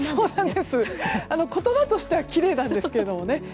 言葉としてはきれいなんですけどね。